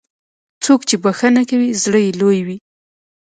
څوک چې بښنه کوي، زړه یې لوی وي.